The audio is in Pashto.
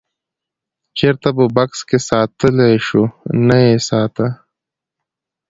چېرته په بکس کې ساتلی شوو نه یې ساته.